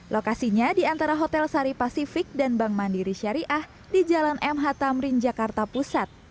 lokasinya di antara hotel sari pasifik dan bank mandiri syariah di jalan mh tamrin jakarta pusat